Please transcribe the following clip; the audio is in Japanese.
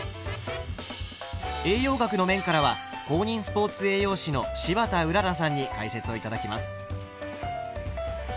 栄養学の面からは公認スポーツ栄養士の柴田麗さんに解説を頂きます。